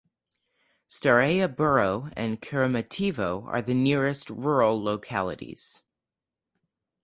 Staraya Bura and Kiremetevo are the nearest rural localities.